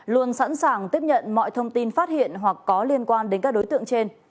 luôn sẵn sàng tiếp nhận mọi thông tin phát hiện hoặc có liên quan đến các đối tượng trên